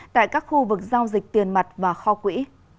tại các khu vực giao dịch tiền mặt và kho quỹ